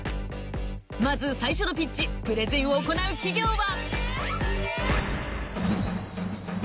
まず最初のピッチプレゼンを行う企業は。